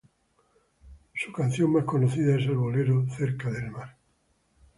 Su canción más conocida es el bolero "Cerca del mar".